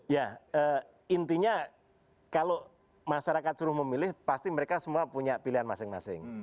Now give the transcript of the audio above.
ya intinya kalau masyarakat suruh memilih pasti mereka semua punya pilihan masing masing